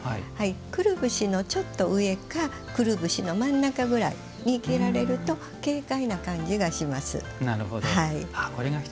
くるぶしのちょっと上かくるぶしの真ん中ぐらいに着られると軽快な感じがします。